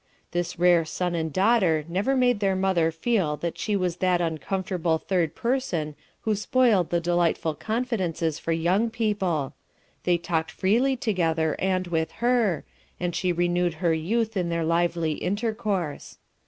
This rare son and daughter never made their mother feel that she was that uncomfortable third person who spoiled delightful confidences for young people; they talked freely together, and with her, and she renewed her youth in their lively intercourse.